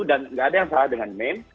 dan tidak ada yang salah dengan meme